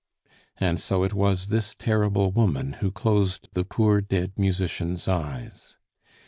And so it was this terrible woman who closed the poor dead musician's eyes.